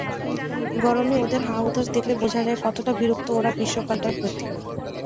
গরমে ওদের হা-হুতাশ দেখলে বোঝা যায় কতটা বিরক্ত ওরা গ্রীষ্মকালটার প্রতি।